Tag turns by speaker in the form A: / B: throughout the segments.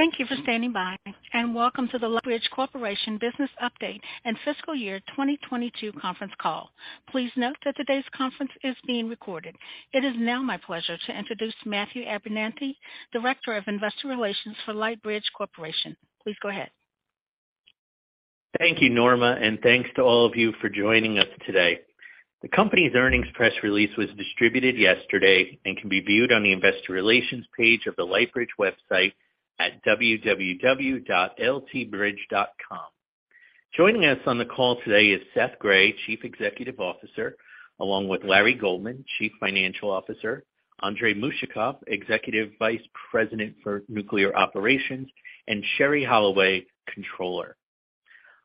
A: Thank you for standing by, and welcome to the Lightbridge Corporation business update and fiscal year 2022 conference call. Please note that today's conference is being recorded. It is now my pleasure to introduce Matthew Abenante, Director of Investor Relations for Lightbridge Corporation. Please go ahead.
B: Thank you, Norma, and thanks to all of you for joining us today. The company's earnings press release was distributed yesterday and can be viewed on the investor relations page of the Lightbridge website at www.ltbridge.com. Joining us on the call today is Seth Grae, Chief Executive Officer, along with Larry Goldman, Chief Financial Officer, Andrey Mushakov, Executive Vice President for Nuclear Operations, and Sherrie Holloway, Controller.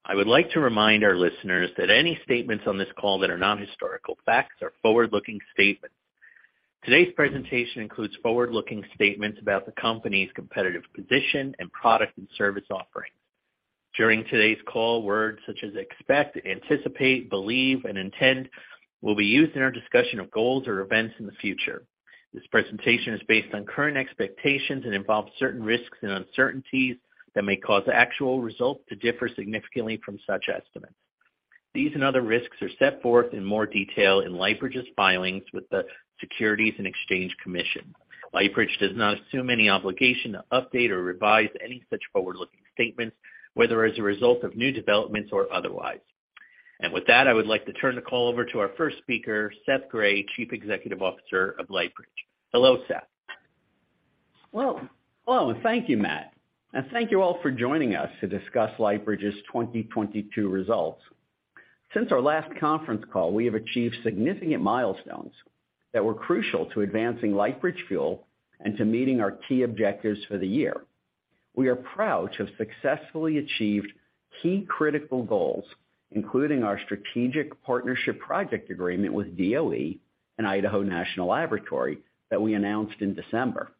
B: I would like to remind our listeners that any statements on this call that are not historical facts are forward-looking statements. Today's presentation includes forward-looking statements about the company's competitive position and product and service offerings. During today's call, words such as expect, anticipate, believe, and intend will be used in our discussion of goals or events in the future. This presentation is based on current expectations and involves certain risks and uncertainties that may cause actual results to differ significantly from such estimates. These and other risks are set forth in more detail in Lightbridge's filings with the Securities and Exchange Commission. Lightbridge does not assume any obligation to update or revise any such forward-looking statements, whether as a result of new developments or otherwise. With that, I would like to turn the call over to our first speaker, Seth Grae, Chief Executive Officer of Lightbridge. Hello, Seth.
C: Well, hello, and thank you, Matt. Thank you all for joining us to discuss Lightbridge's 2022 results. Since our last conference call, we have achieved significant milestones that were crucial to advancing Lightbridge Fuel and to meeting our key objectives for the year. We are proud to have successfully achieved key critical goals, including our Strategic Partnership Project agreement with DOE and Idaho National Laboratory that we announced in December.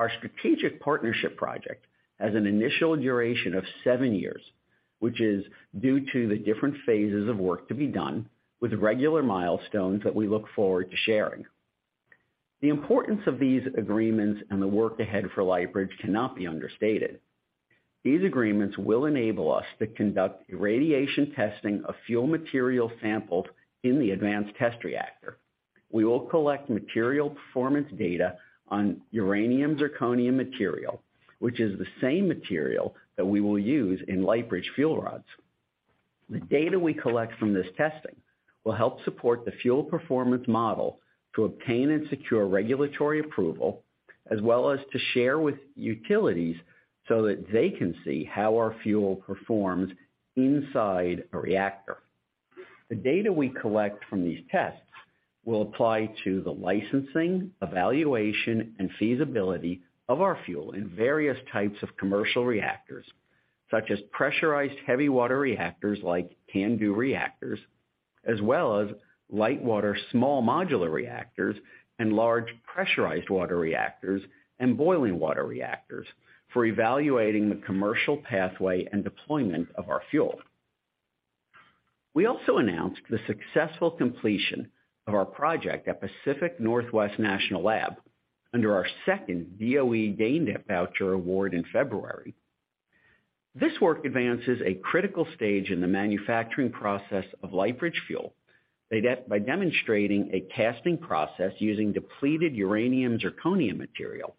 C: Our Strategic Partnership Project has an initial duration of seven years, which is due to the different phases of work to be done with regular milestones that we look forward to sharing. The importance of these agreements and the work ahead for Lightbridge cannot be understated. These agreements will enable us to conduct irradiation testing of fuel material sampled in the Advanced Test Reactor. We will collect material performance data on uranium-zirconium material, which is the same material that we will use in Lightbridge fuel rods. The data we collect from this testing will help support the fuel performance model to obtain and secure regulatory approval, as well as to share with utilities so that they can see how our fuel performs inside a reactor. The data we collect from these tests will apply to the licensing, evaluation, and feasibility of our fuel in various types of commercial reactors, such as pressurized heavy-water reactors like CANDU reactors, as well as light-water small modular reactors and large Pressurized Water Reactors and Boiling Water Reactors for evaluating the commercial pathway and deployment of our fuel. We also announced the successful completion of our project at Pacific Northwest National Lab under our second DOE GAIN voucher award in February. This work advances a critical stage in the manufacturing process of Lightbridge Fuel by demonstrating a casting process using depleted uranium-zirconium material.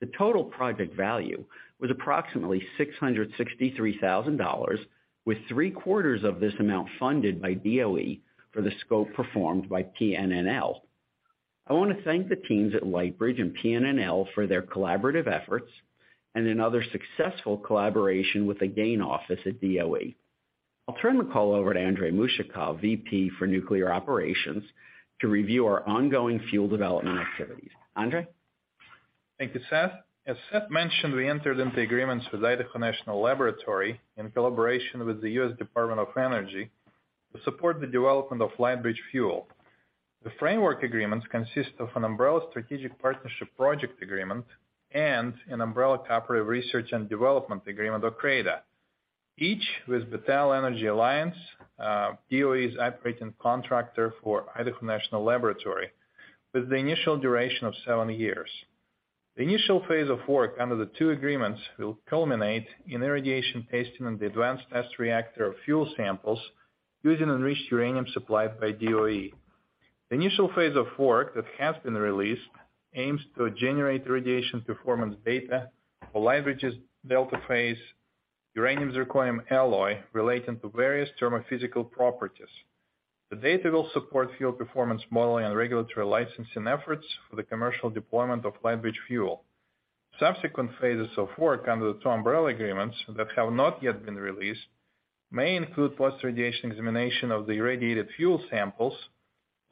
C: The total project value was approximately $663,000, with three-quarters of this amount funded by DOE for the scope performed by PNNL. I wanna thank the teams at Lightbridge and PNNL for their collaborative efforts and another successful collaboration with the GAIN office at DOE. I'll turn the call over to Andrey Mushakov, VP for Nuclear Operations, to review our ongoing fuel development activities. Andrey?
D: Thank you, Seth. As Seth mentioned, we entered into agreements with Idaho National Laboratory in collaboration with the U.S. Department of Energy to support the development of Lightbridge Fuel. The framework agreements consist of an umbrella Strategic Partnership Project agreement and an umbrella Cooperative Research and Development Agreement or CRADA, each with Battelle Energy Alliance, DOE's operating contractor for Idaho National Laboratory, with the initial duration of seven years. The initial phase of work under the two agreements will culminate in irradiation testing of the Advanced Test Reactor fuel samples using enriched uranium supplied by DOE. The initial phase of work that has been released aims to generate irradiation performance data for Lightbridge's delta-phase uranium-zirconium alloy relating to various thermophysical properties. The data will support fuel performance modeling and regulatory licensing efforts for the commercial deployment of Lightbridge Fuel. Subsequent phases of work under the two umbrella agreements that have not yet been released may include Post-Irradiation Examination of the irradiated fuel samples,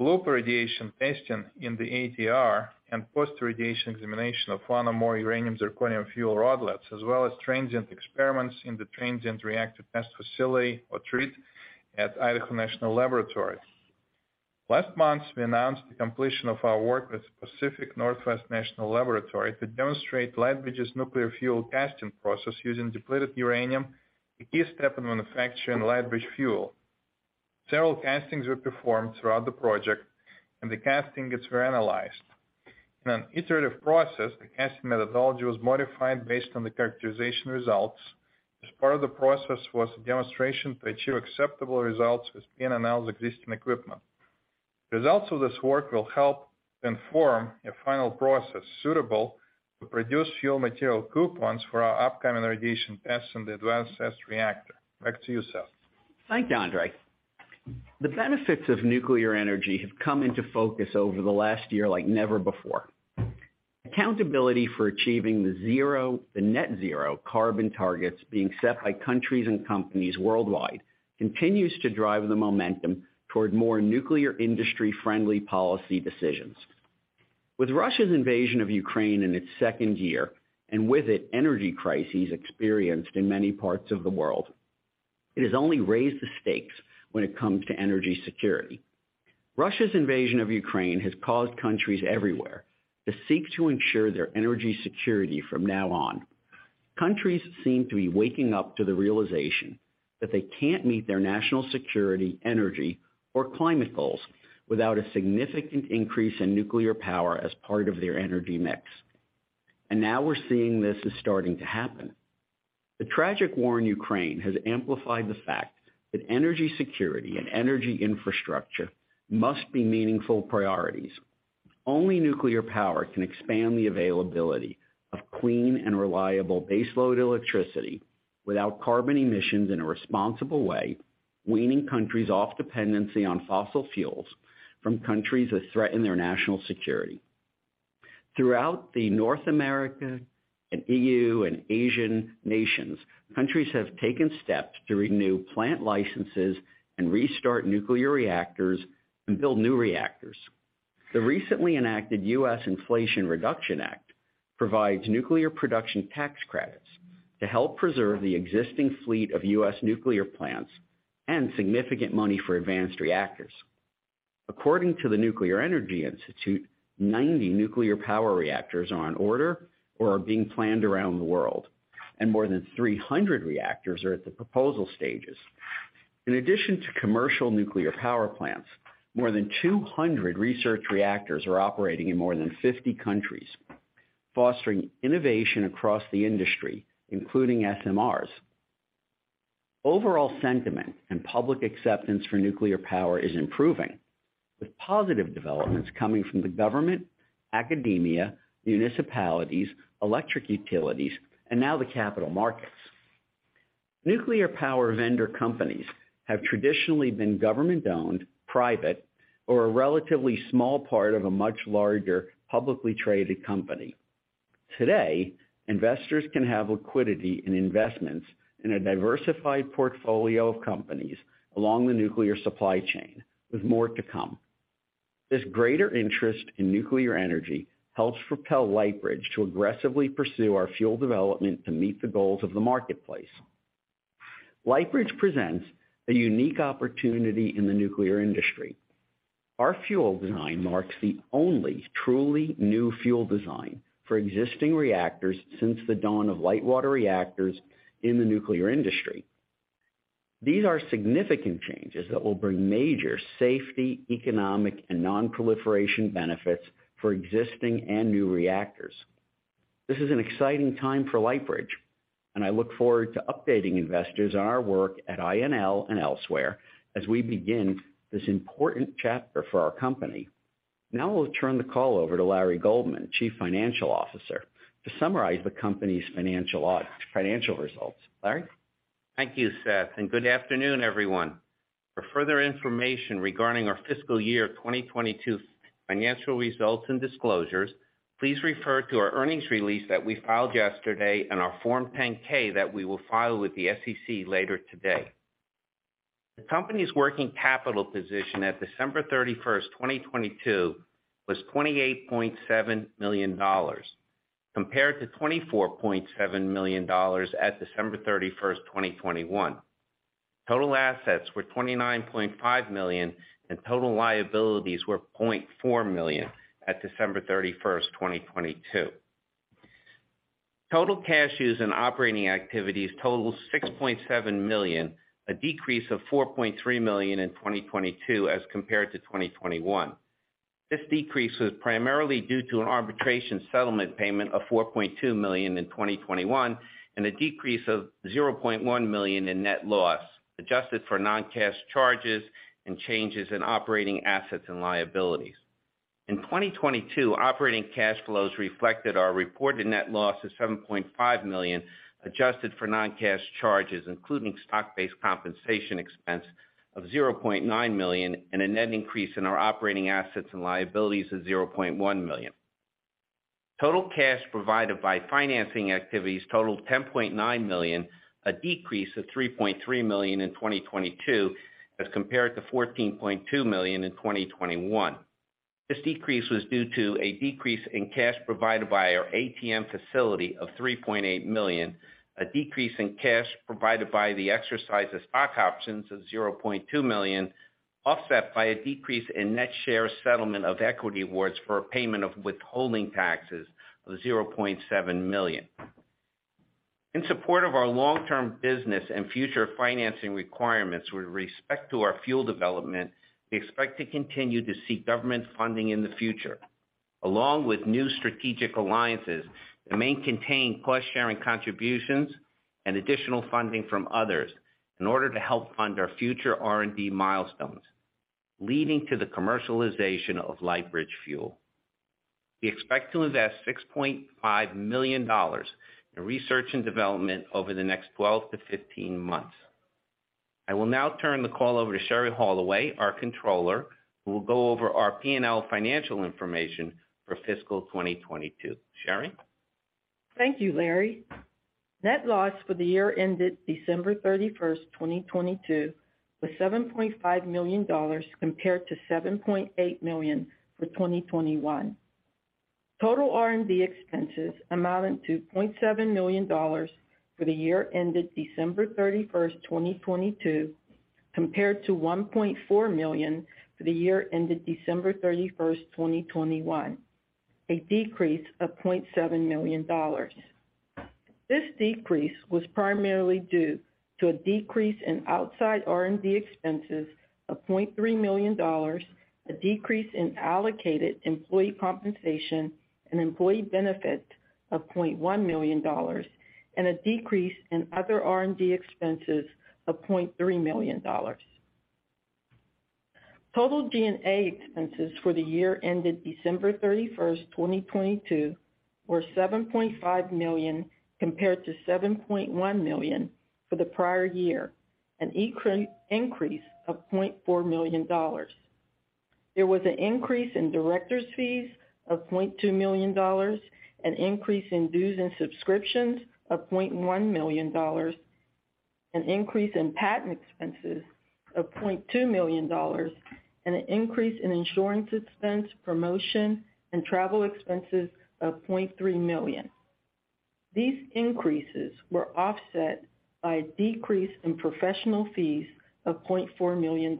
D: loop irradiation testing in the ATR, and Post-Irradiation Examination of one or more uranium-zirconium fuel rodlets, as well as transient experiments in the Transient Reactor Test Facility or TREAT at Idaho National Laboratory. Last month, we announced the completion of our work with Pacific Northwest National Laboratory to demonstrate Lightbridge's nuclear fuel casting process using depleted uranium, a key step in manufacturing Lightbridge Fuel. Several castings were performed throughout the project, and the casting gets very analyzed. In an iterative process, the casting methodology was modified based on the characterization results, as part of the process was a demonstration to achieve acceptable results with INL's existing equipment. Results of this work will help inform a final process suitable to produce fuel material coupons for our upcoming irradiation tests in the Advanced Test Reactor. Back to you, Seth.
C: Thank you, Andrey. The benefits of nuclear energy have come into focus over the last year like never before. Accountability for achieving the net zero carbon targets being set by countries and companies worldwide continues to drive the momentum toward more nuclear industry-friendly policy decisions. With Russia's invasion of Ukraine in its second year, and with it, energy crises experienced in many parts of the world, it has only raised the stakes when it comes to energy security. Russia's invasion of Ukraine has caused countries everywhere to seek to ensure their energy security from now on. Countries seem to be waking up to the realization that they can't meet their national security, energy or climate goals without a significant increase in nuclear power as part of their energy mix. Now we're seeing this is starting to happen. The tragic war in Ukraine has amplified the fact that energy security and energy infrastructure must be meaningful priorities. Only nuclear power can expand the availability of clean and reliable baseload electricity without carbon emissions in a responsible way, weaning countries off dependency on fossil fuels from countries that threaten their national security. Throughout North America and EU and Asian nations, countries have taken steps to renew plant licenses and restart nuclear reactors and build new reactors. The recently enacted U.S. Inflation Reduction Act provides nuclear production tax credits to help preserve the existing fleet of U.S. nuclear plants and significant money for advanced reactors. According to the Nuclear Energy Institute, 90 nuclear power reactors are on order or are being planned around the world, and more than 300 reactors are at the proposal stages. In addition to commercial nuclear power plants, more than 200 research reactors are operating in more than 50 countries, fostering innovation across the industry, including SMRs. Overall sentiment and public acceptance for nuclear power is improving, with positive developments coming from the government, academia, municipalities, electric utilities, and now the capital markets. Nuclear power vendor companies have traditionally been government-owned, private, or a relatively small part of a much larger, publicly traded company. Today, investors can have liquidity in investments in a diversified portfolio of companies along the nuclear supply chain, with more to come. This greater interest in nuclear energy helps propel Lightbridge to aggressively pursue our fuel development to meet the goals of the marketplace. Lightbridge presents a unique opportunity in the nuclear industry. Our fuel design marks the only truly new fuel design for existing reactors since the dawn of light-water reactors in the nuclear industry. These are significant changes that will bring major safety, economic and non-proliferation benefits for existing and new reactors. This is an exciting time for Lightbridge, and I look forward to updating investors on our work at INL and elsewhere as we begin this important chapter for our company. Now I'll turn the call over to Larry Goldman, Chief Financial Officer, to summarize the company's financial results. Larry?
E: Thank you, Seth, and good afternoon, everyone. For further information regarding our fiscal year 2022 financial results and disclosures, please refer to our earnings release that we filed yesterday and our Form 10-K that we will file with the SEC later today. The company's working capital position at December 31st, 2022 was $28.7 million, compared to $24.7 million at December 31st, 2021. Total assets were $29.5 million, and total liabilities were $0.4 million at December 31st, 2022. Total cash used in operating activities totaled $6.7 million, a decrease of $4.3 million in 2022 as compared to 2021. This decrease was primarily due to an arbitration settlement payment of $4.2 million in 2021, and a decrease of $0.1 million in net loss, adjusted for non-cash charges and changes in operating assets and liabilities. In 2022, operating cash flows reflected our reported net loss of $7.5 million, adjusted for non-cash charges, including stock-based compensation expense of $0.9 million, and a net increase in our operating assets and liabilities of $0.1 million. Total cash provided by financing activities totaled $10.9 million, a decrease of $3.3 million in 2022 as compared to $14.2 million in 2021. This decrease was due to a decrease in cash provided by our At-the-Market facility of $3.8 million, a decrease in cash provided by the exercise of stock options of $0.2 million, offset by a decrease in net share settlement of equity awards for a payment of withholding taxes of $0.7 million. In support of our long-term business and future financing requirements with respect to our fuel development, we expect to continue to seek government funding in the future, along with new strategic alliances that may contain cost-sharing contributions and additional funding from others in order to help fund our future R&D milestones, leading to the commercialization of Lightbridge Fuel. We expect to invest $6.5 million in research and development over the next 12 to 15 months. I will now turn the call over to Sherrie Holloway, our Controller, who will go over our P&L financial information for fiscal 2022. Sherrie?
F: Thank you, Larry. Net loss for the year ended December 31st, 2022 was $7.5 million compared to $7.8 million for 2021. Total R&D expenses amounting to $0.7 million for the year ended December 31st, 2022, compared to $1.4 million for the year ended December 31st, 2021, a decrease of $0.7 million. This decrease was primarily due to a decrease in outside R&D expenses of $0.3 million, a decrease in allocated employee compensation and employee benefit of $0.1 million, and a decrease in other R&D expenses of $0.3 million. Total G&A expenses for the year ended December 31st, 2022 were $7.5 million compared to $7.1 million for the prior year, an increase of $0.4 million. There was an increase in directors' fees of $0.2 million, an increase in dues and subscriptions of $0.1 million, an increase in patent expenses of $0.2 million, and an increase in insurance expense, promotion, and travel expenses of $0.3 million. These increases were offset by a decrease in professional fees of $0.4 million.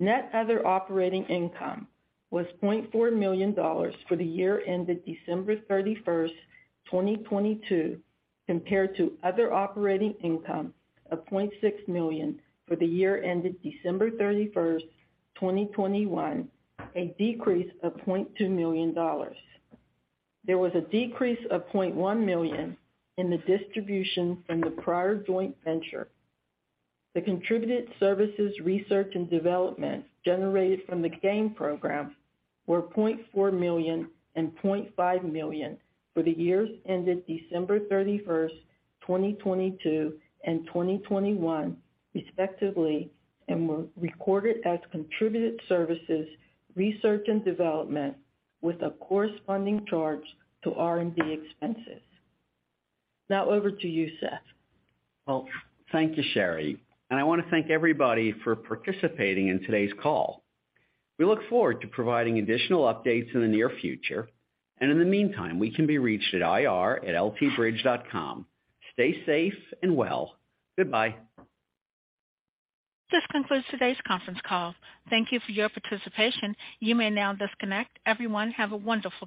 F: Net other operating income was $0.4 million for the year ended December 31, 2022, compared to other operating income of $0.6 million for the year ended December 31, 2021, a decrease of $0.2 million. There was a decrease of $0.1 million in the distribution from the prior joint venture. The contributed services, research and development generated from the GAIN program were $0.4 million and $0.5 million for the years ended December 31, 2022 and 2021 respectively and were recorded as contributed services, research and development with a corresponding charge to R&D expenses. Now over to you, Seth.
E: Thank you, Sherrie. I wanna thank everybody for participating in today's call. We look forward to providing additional updates in the near future. In the meantime, we can be reached at ir@ltbridge.com. Stay safe and well. Goodbye.
A: This concludes today's conference call. Thank you for your participation. You may now disconnect. Everyone, have a wonderful day.